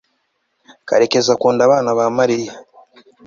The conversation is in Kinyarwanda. karekezi akunda abana ba mariya